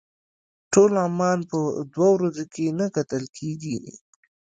ټول عمان په دوه ورځو کې نه کتل کېږي.